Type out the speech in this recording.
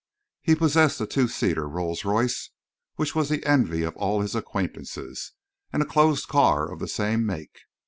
He possessed a two seater Rolls Royce, which was the envy of all his acquaintances, and a closed car of the same make.